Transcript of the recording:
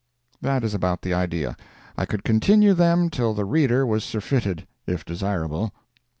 That is about the idea. I could continue them till the reader was surfeited, if desirable.